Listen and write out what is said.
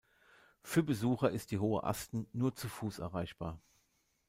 Für Besucher ist die Hohe Asten nur zu Fuß erreichbar.